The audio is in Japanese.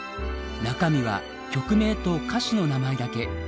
中身は曲名と歌手の名前だけ。